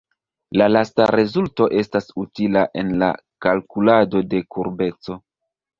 La lasta rezulto estas utila en la kalkulado de kurbeco.